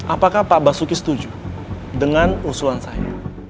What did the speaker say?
apakah pak basuki setuju dengan usulan saya